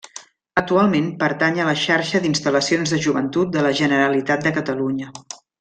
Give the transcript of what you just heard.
Actualment pertany a la xarxa d'instal·lacions de joventut de la Generalitat de Catalunya.